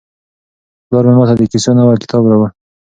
پلار مې ماته د کیسو نوی کتاب راوړ.